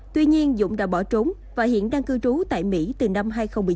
tuy nhiên dũng đã bỏ trốn và hiện đang cư trú tại mỹ từ năm hai nghìn một mươi bảy